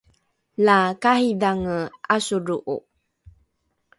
la karidhange ’asolro’o